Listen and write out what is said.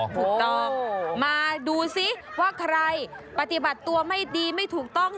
ถูกต้องมาดูซิว่าใครปฏิบัติตัวไม่ดีไม่ถูกต้อง